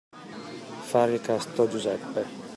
Fare il casto Giuseppe.